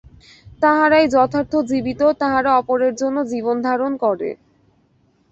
তাহারাই যথার্থ জীবিত, যাহারা অপরের জন্য জীবনধারণ করে।